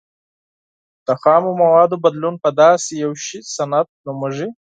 د خامو موادو بدلون په داسې یو شي صنعت نومیږي.